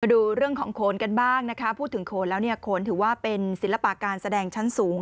ดูเรื่องของโขนกันบ้างนะคะพูดถึงโขนแล้วเนี่ยโขนถือว่าเป็นศิลปะการแสดงชั้นสูง